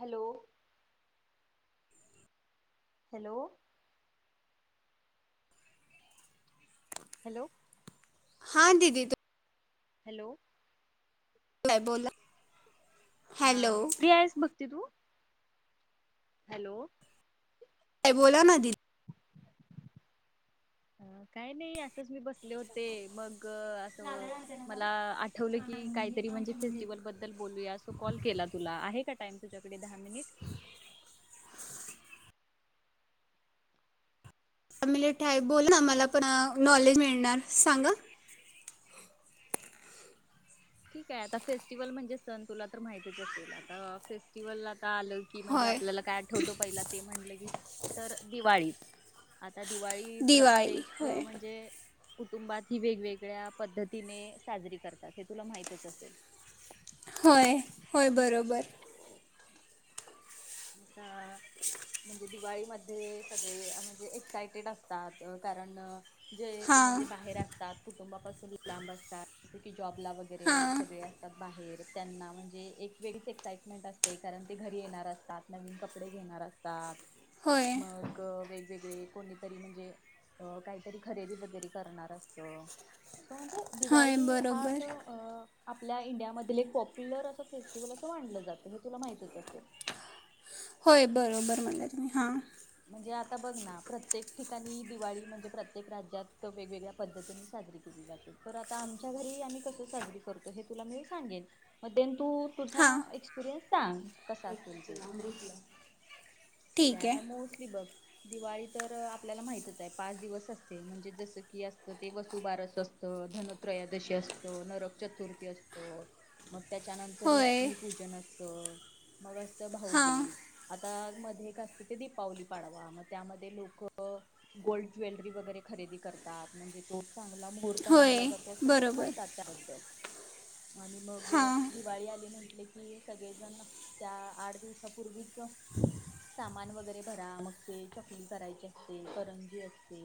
Hello hello hello हा दीदी तू हॅलो काय बोला हा हॅलो प्रियांश बघ दिदू हॅलो बोला ना दिदि अ काय नाही असंच मी बसले होते मग ग अस मला आठवलं की काहीतरी म्हणजे फेस्टिवल बद्दल बोलूया कॉल केला तुला आहे का टाईम तुझ्याकडे दहा मिनिट फमिलीटाय बोल ना मला पण नॉलेज मिळणार सांगा ठीक आहे आता फेस्टिवल म्हणजे सण तुला तर माहितीच असतील आता फेस्टिवला आलं की म्हणजे होय आपल्याला काय ठेवतो पहिला ते म्हटलं की तर दिवाळीच आता दिवाळी दिवाळी प्रत्येक होय म्हणजे कुटुंबात ही वेगवेगळ्या पद्धतीने साजरी करतात हे तुला माहित च असेल होय होय बरोबर आता म्हणजे दिवाळीमध्ये सगळे म्हणजे एक्सायटेड असतात कारण जे हां म्हणजे बाहेर असतात कुटुंबापासून लांब असतात जे कि जॉबला वगैरे हां सगळे असतात बाहेर त्यांना म्हणजे एक वेगळीच एक्साइटमेंट असते कारण ते घरी येणार अस तात आणि कपडे घेणार असतात होय मग वेग वेगळे कोणीतरी म्हणजे अ काहीतरी खरेदी वगैरे करणार असत सो म्हणजे होय दिवाळी हा बरोबर असं अ आपल्या इंडिया मधील एक पॉप्युलर असं फेस्टिवल असं मानलं जातं हे तुला माहितच असेल होय बरोबर म्हणला तुम्ही हा म्हणजे आता बघ ना प्रत्येक ठिकाणी दिवाळी म्हणजे प्रत्येक राज्यात वेगवेगळ्या पद्धतीने साजरी केली जाते तर आता आमच्या घरी आम्ही कस साजरी करतो हे तुला मी सांगेन मग देन तू तुझा एक्सपिरियन्स सांग कसा असेल ते एक [unintelligible] ठीक आहे आता मोस्टली बग दिवाळी तर आपल्याला माहितच आहे पाच दिवस असते म्हणजे जसं की असतं ते वसुबारस असतं धनुत्रयोदशी असतो नरक चतुर्थी असतो मग त्याच्यानंतर होय लक्ष्मीपूजन असतं मग अस त हां भाऊबीज आता हे एक असत दीपावली पाडवा म त्यामध्ये लोक गोल्ड ज्वेलरी वगैरे खरेदी करतात म्हणजे तो चां गला मुहूर्त मांनला होय जातो असं लोक बरोबर म्हणतात त्याबद्दल आणि मग हां दिवाळी आली म्हंटली कि सगळेजण त्या आड दिवसापूर्वीच [unintelligible] सामान वगैरे भरा मग ते चकली करायची असते करंजी असते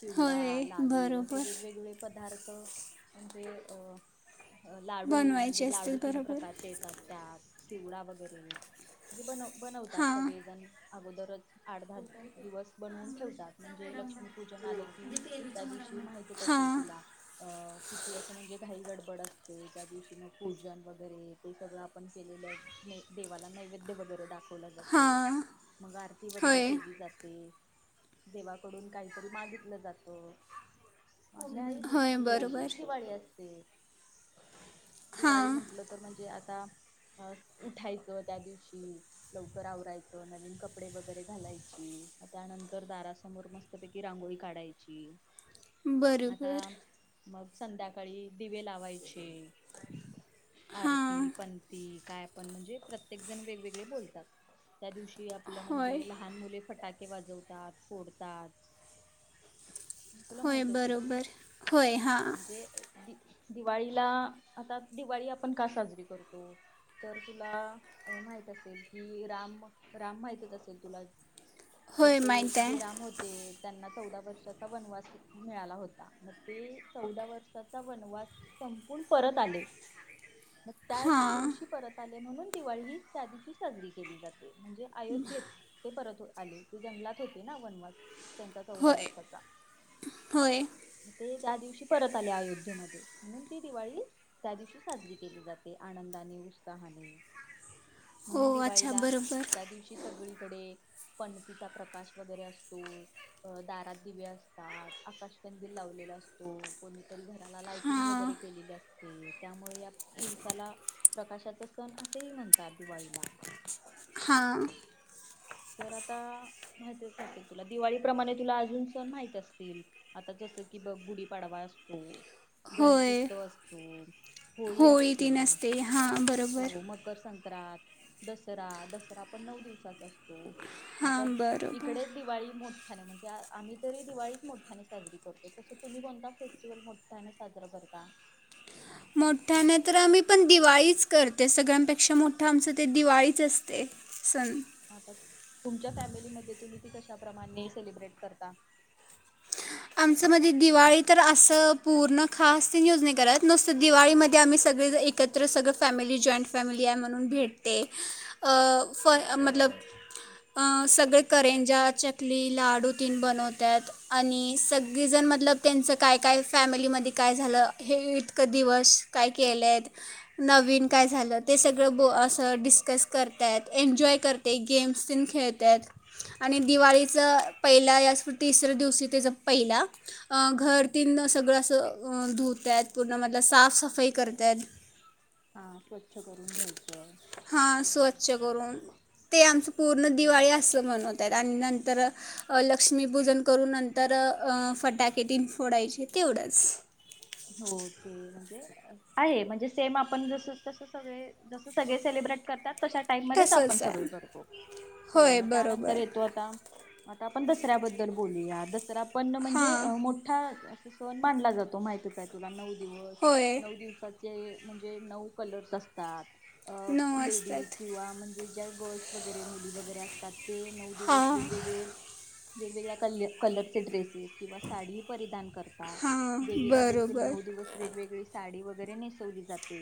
चिवडा होय लाडू असे बरोबर वेगवेगळे पदार्थ म्हणजे अ लाडू बनवायचे म्हणजे असतील लाडू तीन बरोबर प्रकारचे येतात त्यात चिवडा वगैरे म्हणजे बनव हा. गोदरच आठ दहा दिवस बनून ठेवतात म्हणजे लक्ष्मीपूजन आले की त्या दिवशी माहितीच असेल हां तुला. अ किती असं म्हणजे घाई गडबड असते त्या दिवशी मग पूजन वगैरे ते सगळं आपण केलेलं ते देवाला नैवेद्य वगैरे दाखवलं जात. हो हां मगार वगैरे होय केली जाते. देवाकडून काहीतरी मागितलं जात त्याही होय म्हणजे अशी बरोबर दिवाळी असते. दिवाळी हां म्हंटलं तर म्हणजे आता अ उठायचं त्या दिवशी लव कर आवरायचं नवीन कपडे वगैरे घालायची त्यानंतर दारासमोर मस्तपैकी रांगोळी काढायची आता बरोबर. मग संध्याकाळी दिवे लावायचे आरती हां पंथी काय पण म्हणजे प्रत्येक जण वेगवेगळे बोलतात. त्या दिवशी आपलं होय म्हणजे लहान मुले फटाके वाजवतात फोडतात. तुला होय माहितच असेल बरोबर होय हां म्हणजे दि दिवाळीला आता दिवाळी आपण का साजरी करतो तर तुला माहित असेल की कि राम राम माहितच असेल तुला तर होय ते माहीत आहे जे राम होते त्यांना चौदा वर्षाचा वनवास मिळाला होता मग ते चौदा वर्षाचा वनवास संपून परत आले मग त्या हां दिवशी परत आले त्याच दिवशी परत आले म्हणून दिवाळी ही साजरी साजरी केली जाते म्हणजे अयोध्येत ते परत आले ते जंगलात होते ना वनवास त्यांचा चौदा होय वर्षाचा होय. ते त्या दिवशी परत आले अयोधध्येमध्ये म्हणून ती दिवाळी त्या दिवशी साजरी केली जाते आनंदाने उत्साहाने. म्हणून हो अच्छा दिवाळीला बरोबर त्या दिवशी सगळी इकडे पणतीीचा प्रकाश वगैरे असतो दारात दिवे असतात आकाश कंदिील लावलेला असतो कोणीतरी घराला लाइटिंग हां वगैरे केलेली असते त्यामुळे या दिवसाला प्रकाशाचा सण असेही म्हणतात दिवाळी हां [unintelligible] तर आता माहितच असेल तुला दिवाळी प्रमाणे तुला अजून सण माहित असतील आता जस कि बघ गुढीपाडवा असतो गणेश होय उत्सव असतो होळी तीन असते हां बरोबर. हो मकर दसरा दसरा पण नऊ दिवसाचा असतो. [unintelligible] आता हां बरोबर इकडेच दिवाळी मोठ [unintelligible] म्हणजे आम्ही तरी दिवाळीच मोठ्याने साजरी करतो तसं तुम्ही कोणता फेस्टिवल मोठ्याने साजरा करता. मोठ्या नाही तर आम्ही पण दिवाळीच करते सगळ्यांपेक्षा मोठं आमचं ते दिवाळीच असते सण हता तुमच्या फॅमिली मध्ये तुम्ही ती कशा प्रमाणे सेलिब्रेट करता? आमच्यामध्ये दिवाळी तर असं पूर्ण खास ते [unintelligible] नाही करत नुस्त दिवाळीमध्ये आम्ही सगळे एकत्र सगळं फॅमिली जॉईंट फॅमिली आहे म्हणून भेटते अ फ मतलब [unintelligible] अ सगळे करेंजा, चकली, लाडू तीन बनवत्यात आणि - - सगळीजण मतलब त्यांचं काय काय फॅमिलीमध्ये काय झालं हे इतकं दिवस काय केलं आहेत नवीन काय झालं ते सगळं बो असं डिस्कस करत्यात एन्जॉय करते गेम्स खेळत आहेत आणि दिवाळीचं पहिल्या याच तिसर्या दिवशी त्याचं - - पहिला घर तेन सगळं अस धुत्यात पूर्ण म साफ सफाई करत्यात. हा स्वच्छ करून घ्यायचं. हा स्वछ. करून ते आमचं - - पूर्ण दिवाळी असं मनवत्यात. त्या नंतर लक्ष्मीपूजन करून नंतर फटाकेटीन फोडायचे तेवढंच - - हो ते म्हणजे आहे म्हणजे सेम आपण जस तस सगळे जस सगळे सेलिब्रेट करतात. तशा टाईप मध्येच आपण तसंच आहे सगळे करतो हो होय मग त्यानंतर बरोबर येतो आता आता आपण दसऱ्याबद्दल बोलूया. आपण म्हणजे हां मोठा अ - - [unintelligible] मांडला जातो माहितीच - - तुला नऊ- - दिवस होय नऊ दिवसात - - म्हणजे नऊ कलर्स असतात. अ नऊ लेडीज वाजतात किंवा म्ह - - जे ज्या गर्ल्स वगैरे मुली वगैरे असतात - - ते नऊ दिवस हां वेगवेगळे वेगवेगळ्या कल कलर ड्रेसेस किंवा साडीही परिधान - - करतात हां देवीला बरोबर नऊ दिवस वेगवेगळी साडी व वगैरे नेसवली जाते.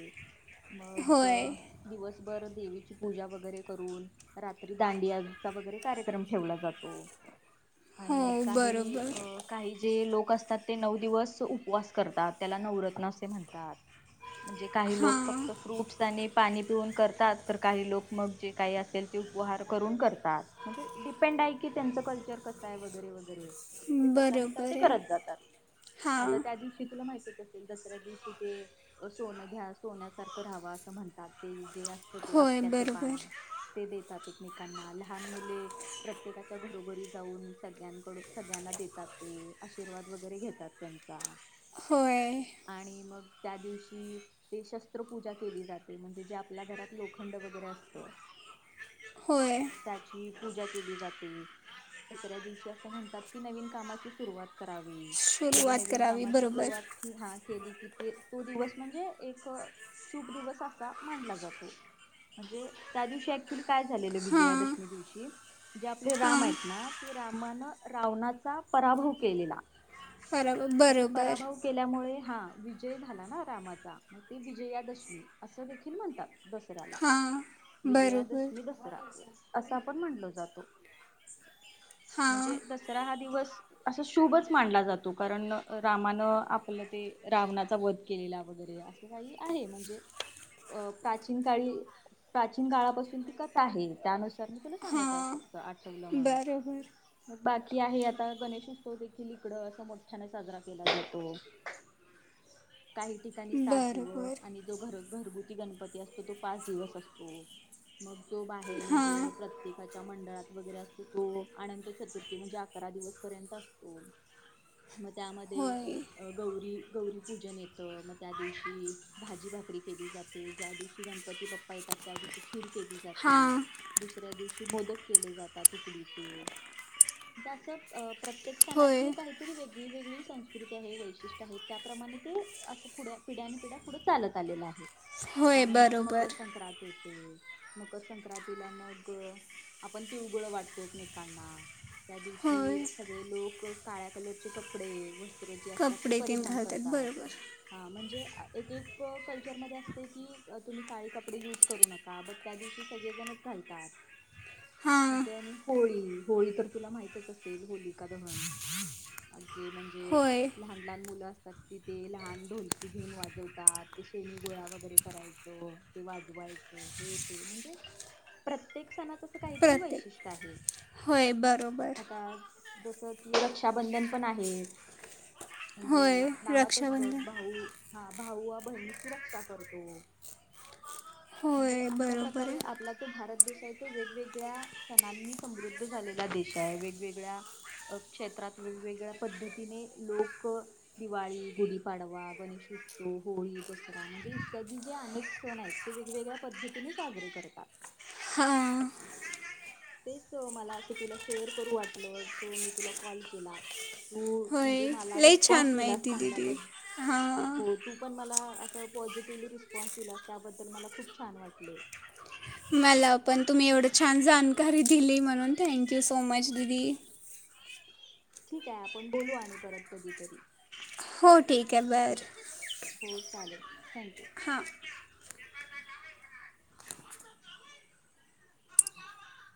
मग होय दिवसभर - - देवीची पूजा वगैरे करून रात्री दांडियांचा वगैरे कार्यक्रम ठेवला जातो. हो आणि काही बरोबर अ काही जे लोक - - असतात ते नऊ दिवस उपवास - - करतात त्याला नवरत्न असे म्हणतात. म्हणजे काही लोक हां फक्त फ्रूट्स आणि पाणी पिऊन करतात तर काही लोक मग जे काही असेल ते उपहार करून करतात म्हणजे डिपेंड आहे की त्यांचं कल्चर कसं आहे वगैरे वगैरे - - ते त्याच्यानुसार ते बरोबर आहे करत जातात. आता हां त्या दिवशी - - तुला माहिती च असेल दसऱ्या दिवशी ते सोनं घ्या सोन्यासारखं राहावा असं म्हणतात ते - - असत ते होय आपटयाच बरोबर पान ते देताते - - एकमेकांना लहान मुले प्रत्येकाच्या घरोघरी जाऊन सगळ्यांकडून सगळ्यांना देतात ते आशीर्वाद वगैरे घेतात त्यांचा होय. आणि मग त्या दिवशी ते शस्त्रपूजा केली जाते म्हणजे जे आपल्या घरात लोखंड वगैरे असत. होय त्याची पूजा केली जाते. दसऱ्या दिवशी असं म्हणतात की, नवीन कामाची सुरुवात कर रावी म्हणजे सुरुवात नवीन करावी कामाची सु बरोबर सुरुवात ही हा केली. की ते तो दिवस म्हणजे एक शुभ दिवस असा मानला जातो म्हणजे त्या दिवशी ऍक्चुली काय झालेलं हां विजयादशमी दिवशी, जे आपले राम हां आहेत ना ते रामानं रावणाचा पराभव केलेला. पराभव मग ते बरोब पराभव केल्यामुळे हा विजय झाला ना रामाचा, मग ते विजयादशमी असं देखील म्हणतात. दसऱ्याला हां बरोबर विजयादशमी दसरा अस आ पण म्हणल जातो. म्हणजे हां दसरा हा दिवस असं शुभच मानला जातो कारण अ रामानं आपलं ते रावणाचा वध केलेला, वगैरे असं काही आहे म्हणजे अ प्राचीन काळी प्राचीन काळापासून ती कथा आहे त्यानुस तर मी तुला सांगत आय हां फक्त आठवलं म्हणून बरोबर मग बाकी आहे, आता गणेशोत्सव देखील इकडं असं मोठ्याने साजरा केला जातो. काही ठिकाणी सात दिवस बरोबर आणि जो घर घरगु ती गणपती असतो, तो पाच दिवस असतो. मग तो बाहेर हां म्हणजे प्रत्येकाच्या मंडळात वगेरे असतो तो अनंत चतुर्थी म्हणजे अकरा दिवस पर्यंत असतो, म त्या दे होय अ गौरी गौरीपूजन येतं म त्या दिवशी, भाजी भाकरी केली जाते, ज्या दिवशी गणपती बप् प्पा येतात त्या दिवशी खीर केली जाते, हां दुसऱ्या दिवशी [unintelligible] मोदक केले जातात उकडीचे, जे अस अ प्रत्येक होय सणाची काहीतरी वेगळी वेगळी संस्कृती आहे, वैशिष्ट्य आहे त्याप्रमाणे ते असं पुढ्या पिढ्याने पिढ्या पुढं चालत आलेलं आहे. होय त्यानंतर बरोबर मकर संक्रातीत [unintelligible] मकर संक्रांतीला मग आपण तिळगुळ वाटतो एकमेकांना त्या होय दिवशी सगळे लोक काळ्या कलरची कपडे [unintelligible] जे असतात ते कपडे तीन परिधान घालतात करतात, बरोबर हा म्हणजे आ एक एक [unintelligible] कल्चरमध्ये असतये की तुम्ही काळी कपडे युज करू नका बट त्या दिवशी सगळेजणच घालतात. म हां देन होळी. होळी तर तुला माहितच असेल होलीका दहन जे म्हणजे. जे होय लहान लहान मुलं असतात. तिथे लहान ढोलकी घेऊन वाजवतात ते शेणी गोळा वगैरे करायचं ते वाजवायचं हे ते म्हणजे प्रत्येक सणाच अस काहीतरी प्रत्येक वैशिष्ट्य आहे, होय बरोबर आता. जसं की रक्षाबंधन पण आहे. होय म्हणजे नावातच बघ रक्षाबंधन भाऊ हा भाऊ व बहिणीची रक्षा करतो. म्हणजे होय अशा बरोबर प्रकारे आपला जो भारत देश तय तो वेगवेगळ्या सणांनी समृद्ध झालेला देश आहे, वेगवेगळ्या क्षेत्रात वेगवेगळ्या पद्धती तिने लोक दिवाळी, गुढीपाडवा, गणेशोत्सव, होळी, दसरा म्हणजे इत्यादी जे अनेक सण आहेत ते वेगवेगळ्या पद्धतीने साजरे करतात. हा. तेच मला असं तुला शेअर करू वाटलं सो मी तुला कॉल केला, होय. म्हणजे मला लई रिस्पॉन्स छान दिलास माहिती चांगल्या दिली पद् हां हो तू पण मला पॉझिटिव्हली रिस्पॉन्स दिलास त्याबद्दल मला खूप छान वाटले. मला पण तुम्ही एवढं छान जाणकारी दिली म्हणून थँंक यू सो मच दिदी. ठीक आहे आपण बोलू आणि परत कधीतरी. हो ठीक आहे बर. ठीक आहे हो चालेल थँक्यू. हा. [inaudible]